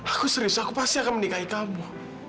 aku serius aku pasti akan menikahi kamu